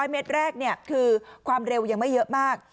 เมตรแรกคือความเร็วยังไม่เยอะมาก